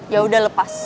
ya udah lepas